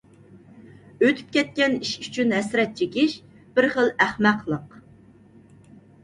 ئۆتۈپ كەتكەن ئىش ئۈچۈن ھەسرەت چېكىش بىر خىل ئەخمەقلىق.